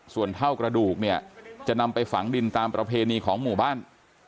ส่วนเท่ากระดูกเนี่ยจะนำไปฝังดินตามประเพณีของหมู่บ้าน